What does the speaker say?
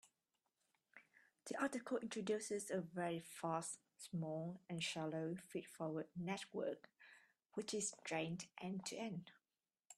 The article introduces a very fast, small, and shallow feed-forward network which is trained end-to-end.